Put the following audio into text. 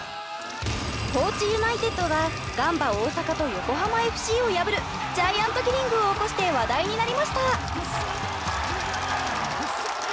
高知ユナイテッドがガンバ大阪と横浜ＦＣを破るジャイアントキリングを起こして話題になりました。